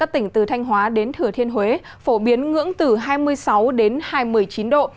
tỉnh từ thanh hóa đến thừa thiên huế phổ biến ngưỡng từ hai mươi sáu đến hai mươi chín độ